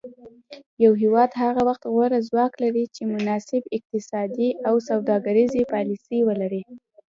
یو هیواد هغه وخت غوره ځواک لري چې مناسب اقتصادي او سوداګریزې پالیسي ولري